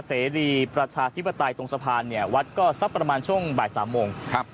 เสรีประชาธิปไตยตรงสะพานเนี่ยวัดก็สักประมาณช่วงบ่ายสามโมงครับ